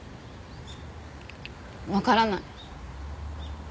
わからない。